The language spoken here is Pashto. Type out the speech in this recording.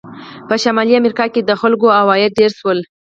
په شمالي امریکا کې د خلکو عواید ډېر شول.